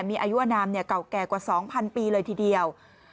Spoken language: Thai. มีอายุอนามเก่าแก่กว่า๒๐๐ปีเลยทีเดียว